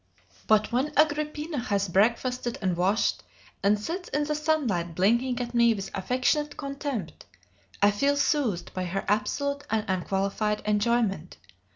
"But when Agrippina has breakfasted and washed, and sits in the sunlight blinking at me with affectionate contempt, I feel soothed by her absolute and unqualified enjoyment.